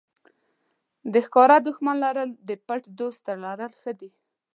د ښکاره دښمن لرل د پټ دوست تر لرل ښه دي.